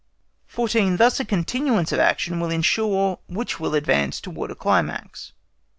14. THUS A CONTINUANCE OF ACTION WILL ENSUE WHICH WILL ADVANCE TOWARDS A CLIMAX.